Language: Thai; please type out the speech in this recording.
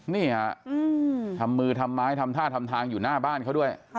นี่ฮะทำมือทำไม้ทำท่าทำทางอยู่หน้าบ้านเขาด้วย